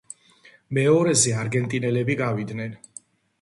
მეორეზე არგენტინელები გავიდნენ.